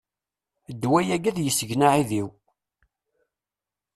Ddwa-agi ad yesgen aεidiw.